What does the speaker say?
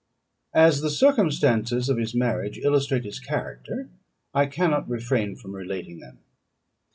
As the circumstances of his marriage illustrate his character, I cannot refrain from relating them.